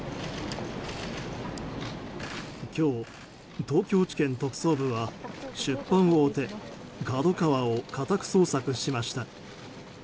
今日、東京地検特捜部は出版大手、ＫＡＤＯＫＡＷＡを家宅捜索しました。